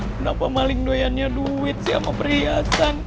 kenapa maling doyannya duit sama perhiasan